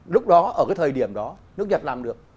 lúc đó ở cái thời điểm đó nước nhật làm được